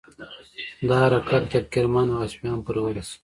دا حرکت تر کرمان او اصفهان پورې ورسید.